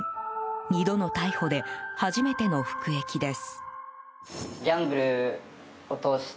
２度の逮捕で初めての服役です。